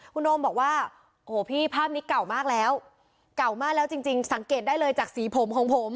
คุณโอมบอกว่าโอ้โหพี่ภาพนี้เก่ามากแล้วเก่ามากแล้วจริงสังเกตได้เลยจากสีผมของผม